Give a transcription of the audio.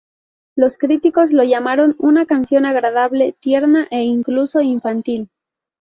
Los críticos la llamaron una canción agradable, tierna e incluso infantil.